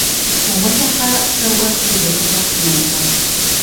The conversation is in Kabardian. Уэлэхьэ, сэ уэ суригъусэу сынэмыкӀуэн.